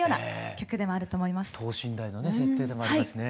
等身大のね設定でもありますね。